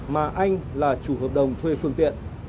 mà anh là chủ hợp đồng thuê phương tiện